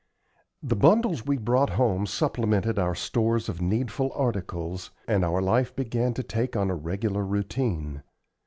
The bundles we brought home supplemented our stores of needful articles, and our life began to take on a regular routine.